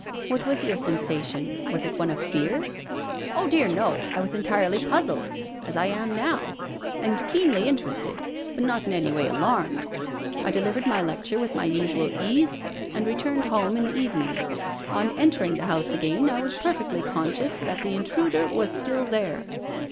" What was your sensation ? Was it one of fear ?"" Oh, dear no. I was entirely puzzled, — as I am now — and keenly interested, but not in any way alarmed. I delivered my lecture with my usual ease and returned home in the evening. On entering the house again I was perfectly conscious that the intruder was still there.